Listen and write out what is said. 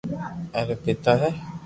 ايڪ رو پيتا ھي